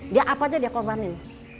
dia apa aja dia korbanin